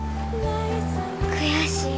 悔しい。